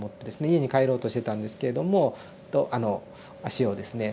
家に帰ろうとしてたんですけれども足をですね